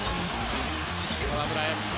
河村へ。